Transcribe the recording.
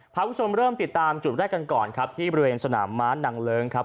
คุณผู้ชมเริ่มติดตามจุดแรกกันก่อนครับที่บริเวณสนามม้านางเลิ้งครับ